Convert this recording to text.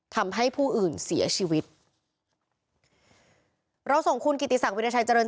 ทำให้ผู้อื่นเสียชีวิตเราส่งคุณกิติศักดิราชัยเจริญ